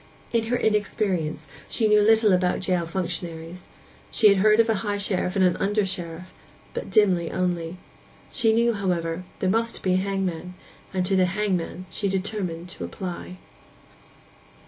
In her inexperience she knew little about jail functionaries; she had heard of a high sheriff and an under sheriff; but dimly only. She knew, however, that there must be a hangman, and to the hangman she determined to apply.